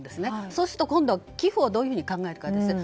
そうすると今度は寄付をどういうふうに考えるかですね。